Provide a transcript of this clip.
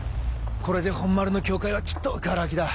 これで本丸の教会はきっとガラ空きだ。